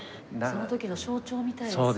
その時の象徴みたいですね。